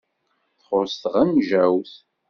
Txuṣṣ tɣenǧawt.